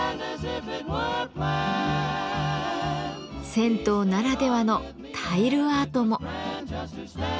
銭湯ならではのタイルアートも。